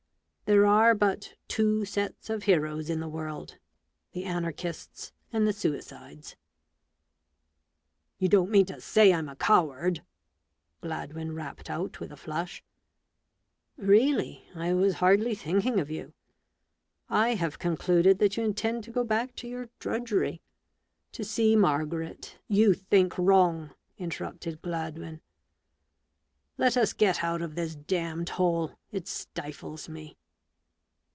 There are but two sets of heroes in the world — the Anarchists and the Suicides !" (t You don't mean to say I'm a coward ?" Gladwin rapped out with a flush, " Really, I was hardly thinking of you. I have concluded that you intend to go back to your drudgery; to see Margaret " I06 A BOOK OF BARGAINS. " You think wrong," interrupted Gladwin. " Let us get out of this damned hole — it stifles me